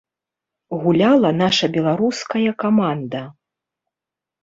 Гуляла наша беларуская каманда.